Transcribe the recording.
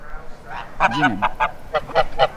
জি, ma'am.